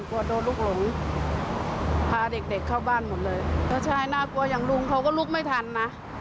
ก็คิดว่าน่ากลัวอย่างลุงเธอก็ลุกไม่ทันนะ